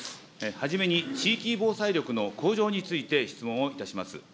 はじめに地域防災力の向上について質問をいたします。